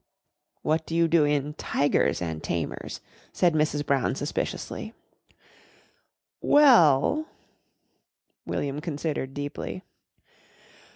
"What do you do in 'Tigers and Tamers'?" said Mrs. Brown suspiciously. "Well " William considered deeply.